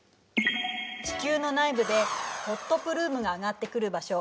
地球の内部でホットプルームが上がってくる場所